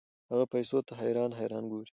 هغه پیسو ته حیران حیران ګوري.